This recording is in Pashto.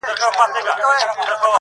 راتلونکی روښانه ویني